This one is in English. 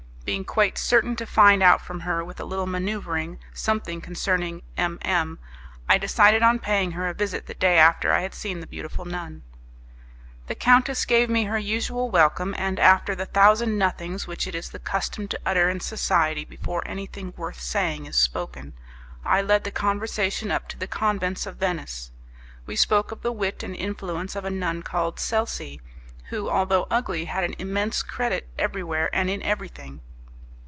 Being quite certain to find out from her, with a little manoeuvering, something concerning M M , I decided on paying her a visit the day after I had seen the beautiful nun. The countess gave me her usual welcome, and, after the thousand nothings which it is the custom to utter in society before anything worth saying is spoken, I led the conversation up to the convents of Venice. We spoke of the wit and influence of a nun called Celsi, who, although ugly, had an immense credit everywhere and in everything.